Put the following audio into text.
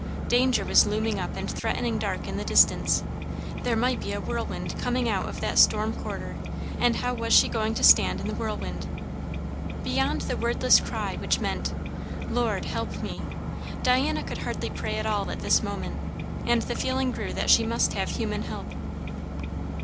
Danger was looming up and threatening dark in the distance; there might be a whirlwind coming out of that storm quarter, and how was she going to stand in the whirlwind? Beyond the wordless cry which meant "Lord help me!" Diana could hardly pray at all at this moment; and the feeling grew that she must have human help.